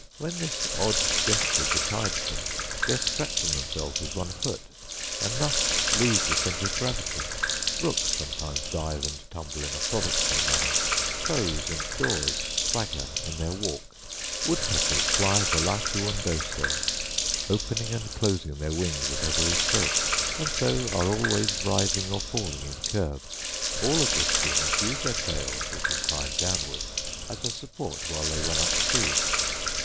When this odd gesture betides them, they are scratching themselves with one foot, and thus lose the centre of gravity. Rooks sometimes dive and tumble in a frolicsome manner; crows and daws swagger in their walk; wood peckers fly volatu undoso, opening and closing their wings at every stroke, and so are always rising or falling in curves. All of this genus use their tails, which incline downward, as a support while they run up trees.